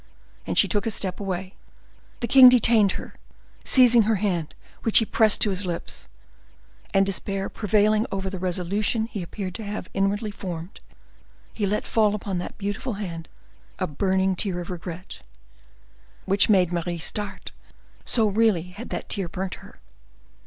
And she took a step away. The king detained her, seizing her hand, which he pressed to his lips, and despair prevailing over the resolution he appeared to have inwardly formed, he let fall upon that beautiful hand a burning tear of regret, which made Mary start, so really had that tear burnt her.